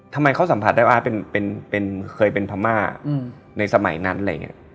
ทำไมเขาสัมผัสได้ว่าเป็นเป็นเป็นเคยเป็นพรรมาอืมในสมัยนั้นอะไรอย่างเงี้ย